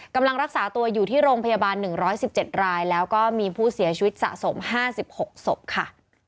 กำลังรักษาตัวอยู่ที่โรงพยาบาล๑๑๗รายแล้วก็มีผู้เสียชีวิตสะสม๕๖ศพค่ะ